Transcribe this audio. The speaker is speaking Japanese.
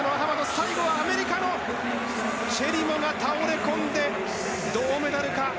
最後はアメリカのチェリモが倒れこんで銅メダルか。